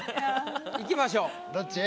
いきましょう。